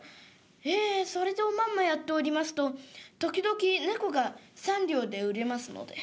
「ええそれでおまんまやっておりますと時々猫が三両で売れますので」。